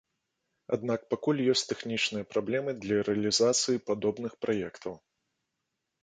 Аднак пакуль ёсць тэхнічныя праблемы для рэалізацыі падобных праектаў.